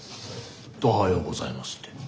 どはようございますって。